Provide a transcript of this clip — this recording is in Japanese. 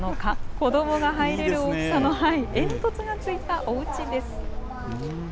子どもが入れる大きさの煙突が付いたおうちです。